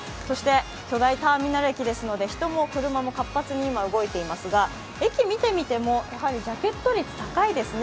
巨大ターミナル駅ですので、人も車も活発に動いていますが、駅見てみてもジャケット率高いですね。